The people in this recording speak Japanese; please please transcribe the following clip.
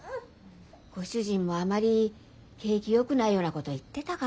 ご主人もあまり景気よくないようなこと言ってたから。